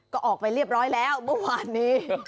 ก็ออกไปเรียบร้อยแล้วเมื่อวานนี้